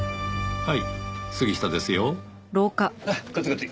はい。